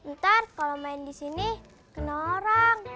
ntar kalau main di sini kena orang